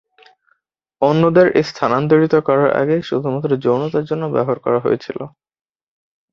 অন্যদের স্থানান্তরিত করার আগে শুধুমাত্র যৌনতার জন্য ব্যবহার করা হয়েছিল।